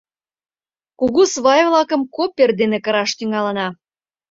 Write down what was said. Кугу свай-влакым копер дене кыраш тӱҥалына.